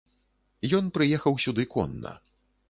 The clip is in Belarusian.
Ён прыехаў сюды конна.